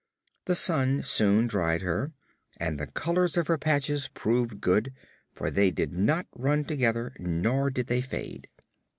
The sun soon dried her and the colors of her patches proved good, for they did not run together nor did they fade.